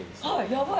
やばい？